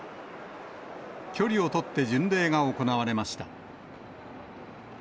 距離を取って巡礼が行われました。